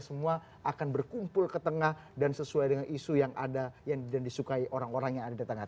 semua akan berkumpul ke tengah dan sesuai dengan isu yang ada dan disukai orang orang yang ada di tengah